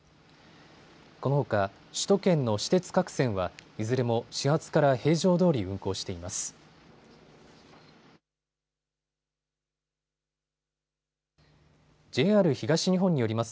このほか首都圏の私鉄各線はいずれも始発から平常どおり運行しています。